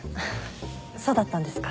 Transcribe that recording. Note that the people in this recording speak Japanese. そうだったんですか。